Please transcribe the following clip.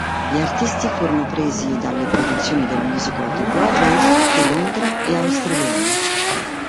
Gli artisti furono presi dalle produzioni del musical di Broadway, di Londra e Australiane.